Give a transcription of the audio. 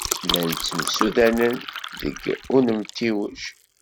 Llan ttemsudanen deg unemtiweg.